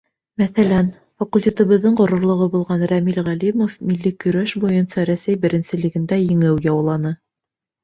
Мәҫәлән, факультетыбыҙҙың ғорурлығы булған Рәмил Ғәлимов милли көрәш буйынса Рәсәй беренселегендә еңеү яуланы.